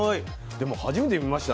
でも初めて見ました